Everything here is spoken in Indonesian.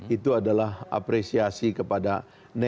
itu adalah apresiasi kepada negara